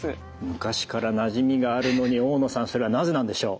昔からなじみがあるのに大野さんそれはなぜなんでしょう？